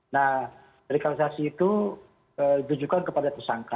nah de rekalisasi itu ditujukan kepada tersangka